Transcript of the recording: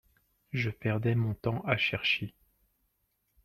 Je perdais mon temps à chercher.